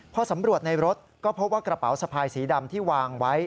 พอสำรวจในรถก็พบว่ากระเป๋าสะพายสีดำที่วางไว้